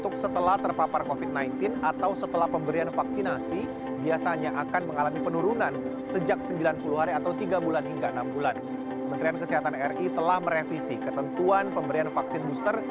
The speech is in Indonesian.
kementerian kesehatan ri telah merevisi ketentuan pemberian vaksin booster